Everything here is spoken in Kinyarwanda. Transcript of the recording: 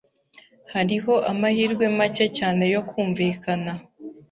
Hariho amahirwe make cyane yo kumvikana.